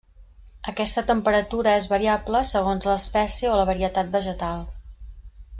Aquesta temperatura és variable segons l'espècie o la varietat vegetal.